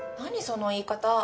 その言い方。